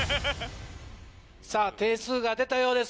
点数が出たようです